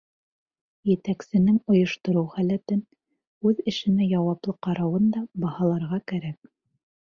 Етәксенең ойоштороу һәләтен, үҙ эшенә яуаплы ҡарауын да баһаларға кәрәк.